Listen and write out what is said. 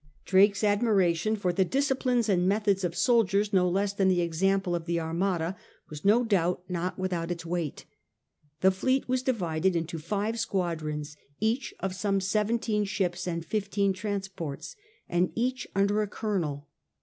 Drake's admiration for the dis XII ORGANISATION OF THE FLEET 179 cipline and methods of soldiers no less than the example of the Armada was no doubt not without its weight. The fleet was divided into five squadrons, each of some seventeen ships and fifteen transports, and each under a colonel.